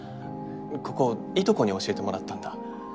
ここいとこに教えてもらったんだ